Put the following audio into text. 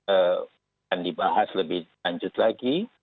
akan dibahas lebih lanjut lagi